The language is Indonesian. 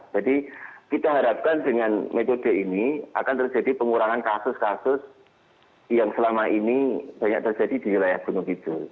jadi kita harapkan dengan metode ini akan terjadi pengurangan kasus kasus yang selama ini banyak terjadi di wilayah gantung pijul